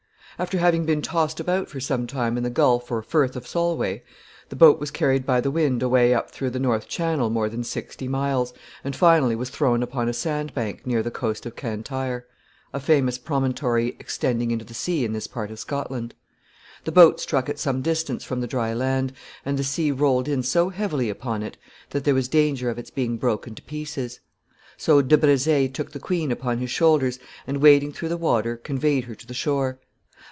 ] After having been tossed about for some time in the Gulf or Firth of Solway, the boat was carried by the wind away up through the North Channel more than sixty miles, and finally was thrown upon a sand bank near the coast of Cantyre, a famous promontory extending into the sea in this part of Scotland. The boat struck at some distance from the dry land, and the sea rolled in so heavily upon it that there was danger of its being broken to pieces; so De Brezé took the queen upon his shoulders, and, wading through the water, conveyed her to the shore.